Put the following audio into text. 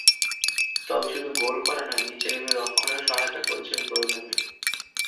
তবে শুধু গোল করা নয়, নিচে নেমে রক্ষণেও সহায়তা করেছেন প্রয়োজনে।